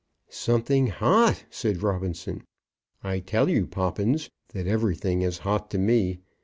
"Something hot!" said Robinson. "I tell you, Poppins, that everything is hot to me.